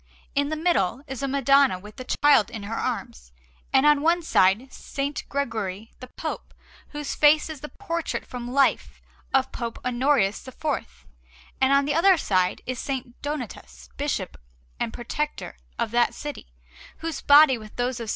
In the middle is a Madonna with the Child in her arms, and on one side S. Gregory the Pope, whose face is the portrait from life of Pope Honorius IV; and on the other side is S. Donatus, Bishop and Protector of that city, whose body, with those of S.